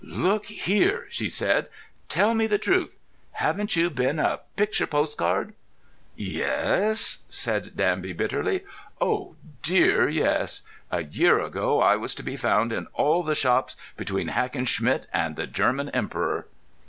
"Look here," she said. "Tell me the truth. Haven't you been a picture postcard?" "Yes," said Danby bitterly, "oh dear, yes! A year ago I was to be found in all the shops, between Hackenschmidt and the German Emperor."